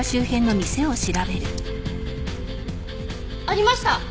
ありました！